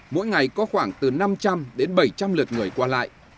mỗi ngày có khoảng từ năm trăm linh đến bảy trăm linh lượt người qua lại